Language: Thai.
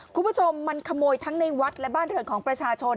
คุณผู้ชมมันขโมยทั้งในวัดและบ้านเรือนของประชาชน